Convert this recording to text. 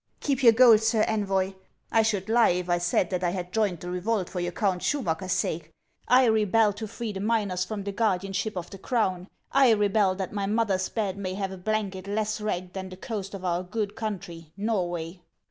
" Keep your gold, Sir Envoy ; I should lie if I said that I had joined the revolt for your Count Schumacker's sake. I rebel to free the miners from the guardianship of the crown; I rebel that my mother's bed may have a blanket less ragged than the coast of our good country, Norway."